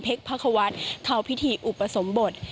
เพชรพาควัสเข้าพิธีอุปสมบด